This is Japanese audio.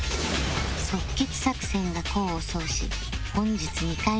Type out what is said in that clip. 即決作戦が功を奏し本日２回目のリーチ